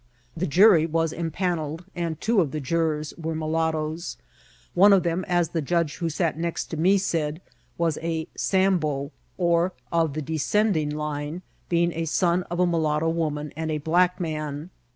The jury was empannelled, and two of the jurors were mulattoes ; one of them, as the judge who sat next me said, was a Sambo, or of the descending line, being the son of a mulatto woman and a black man.